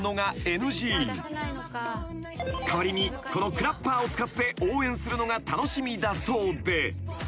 ［代わりにこのクラッパーを使って応援するのが楽しみだそうで］